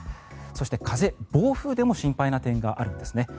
そして風、暴風でも心配な点があるんですね。